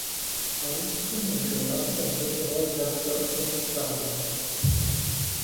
А упщӀэхэм я жэуапыр абы щыгъуэ сэркӀэ ӀупщӀтэкъым.